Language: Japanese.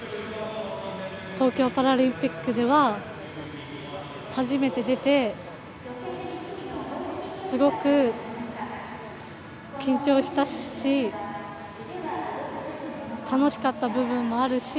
東京パラリンピックでは初めて出てすごく、緊張したし楽しかった部分もあるし。